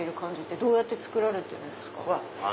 どうやって作られてるんですか？